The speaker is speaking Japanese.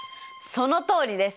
そのとおりです！